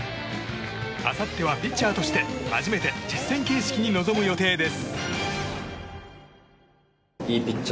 あさってはピッチャーとして初めて実戦形式に臨む予定です。